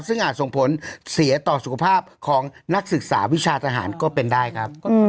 ซึ่งอาจส่งผลเสียต่อสุขภาพของนักศึกษาวิชาทหารก็เป็นได้ครับ